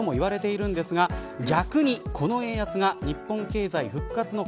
悪い円安とも言われているんですが逆にこの円安が日本経済復活の